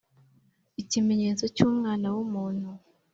ikimenyetso cy Umwana w umuntu